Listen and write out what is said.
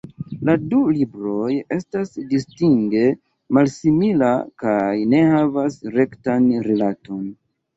La du libroj estas distinge malsimila kaj ne havas rektan rilaton.